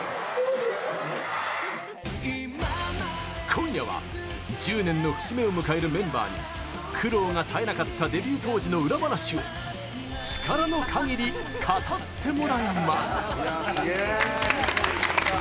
今夜は、１０年の節目を迎えるメンバーに苦労が絶えなかったデビュー当時の裏話をチカラノカギリ語ってもらいます。